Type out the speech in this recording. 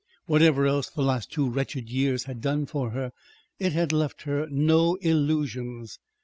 Whatever else the last two wretched years had done for her, it had left her no illusions.